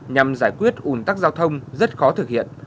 nhằm giải quyết ủn tắc giao thông rất khó thực hiện